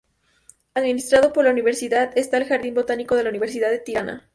Administrado por la Universidad está el Jardín Botánico de la Universidad de Tirana.